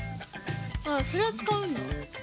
あっそれをつかうんだ。